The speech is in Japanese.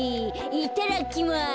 いただきます。